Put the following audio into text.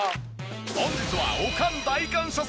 本日はおかん大感謝祭。